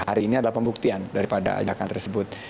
hari ini adalah pembuktian daripada ajakan tersebut